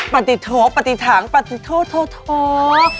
ปฏิโทษปฏิถังปฏิโทษโทษโทษ